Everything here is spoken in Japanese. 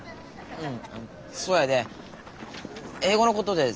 うん。